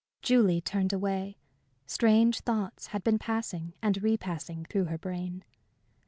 Julie turned away. Strange thoughts had been passing and repassing through her brain.